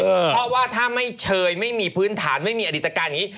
เพราะว่าถ้าไม่เชยไม่มีพื้นฐานไม่มีอดิตการอย่างนี้